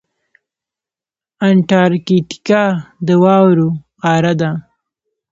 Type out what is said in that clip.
انټارکټیکا د واورو قاره ده.